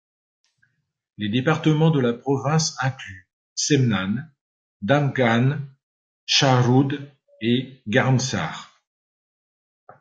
Les départements de la province incluent Semnan, Damghan, Shahroud et Garmsar.